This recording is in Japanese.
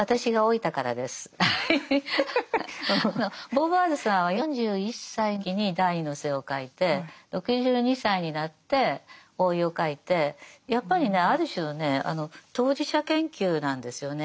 ボーヴォワールさんは４１歳のときに「第二の性」を書いて６２歳になって「老い」を書いてやっぱりねある種のね当事者研究なんですよね。